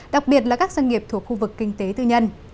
đặc biệt là các doanh nghiệp thuộc khu vực kinh tế tư nhân